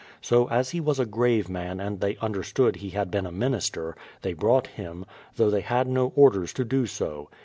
So, as he was a grave man and they understood he had been a min ister, they brought him, though they had no orders to do so.